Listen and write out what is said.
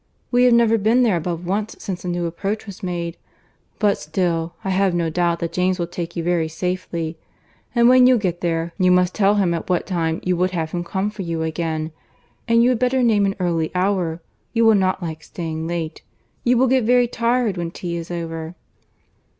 We have never been there above once since the new approach was made; but still I have no doubt that James will take you very safely. And when you get there, you must tell him at what time you would have him come for you again; and you had better name an early hour. You will not like staying late. You will get very tired when tea is over."